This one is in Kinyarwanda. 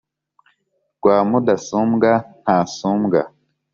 Rwa Mudasumbwa ntasumbwa